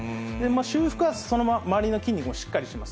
修復は周りの筋肉もしっかりします。